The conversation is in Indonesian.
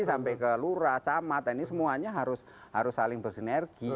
sampai ke lurah camat ini semuanya harus saling bersinergi